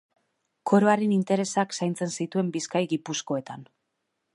Koroaren interesak zaintzen zituen Bizkai-Gipuzkoetan.